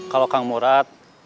kalau kang murad